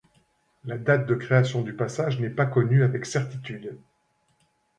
La date de création du passage n'est pas connue avec certitude.